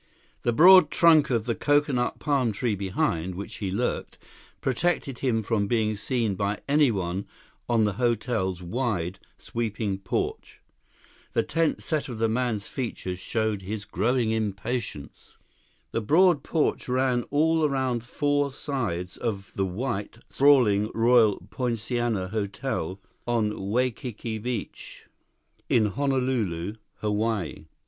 The broad trunk of the coconut palm tree behind which he lurked protected him from being seen by anyone on the hotel's wide, sweeping porch. The tense set of the man's features showed his growing impatience. 2 The broad porch ran around all four sides of the white, sprawling Royal Poinciana Hotel on Waikiki Beach, in Honolulu, Hawaii.